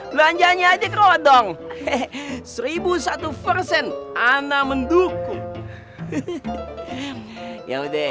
belanjanya aja kerot dong hehehe seribu satu persen ana mendukung hehehe yaudah